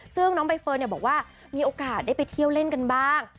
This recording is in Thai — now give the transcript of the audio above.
ซึ่งน้องใบเฟิร์นบอกว่ามีโอกาสได้ไปเที่ยวเล่นกันบ้าง